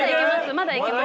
まだいけます。